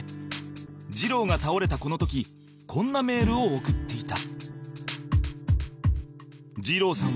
二郎が倒れたこの時こんなメールを送っていた